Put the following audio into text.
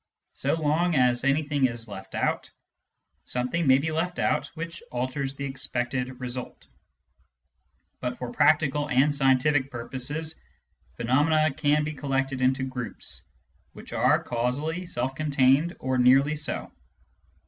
So long as anything is left out, something may be left out which alters the expected result. But for practical and scientific purposes, phe nomena can be collected into groups which are causally self contained, or nearly so.